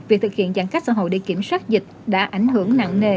việc thực hiện giãn cách xã hội để kiểm soát dịch đã ảnh hưởng nặng nề